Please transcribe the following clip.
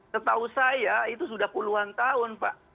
setahu saya itu sudah puluhan tahun pak